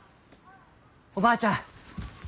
・おばあちゃん！